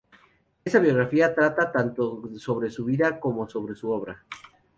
Esa biografía tratará tanto sobre su vida como sobre su obra.